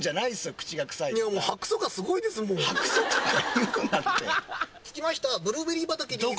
口が臭いとか歯くそがすごいですもん歯くそとか言うなって着きましたブルーベリー畑です